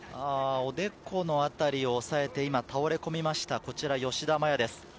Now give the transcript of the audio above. おでこの辺りを押さえて、今、倒れ込みました吉田麻也です。